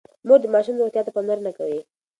مور د ماشوم روغتيا ته پاملرنه کوي.